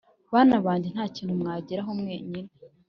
bana bange. Nta kintu mwageraho mwenyine;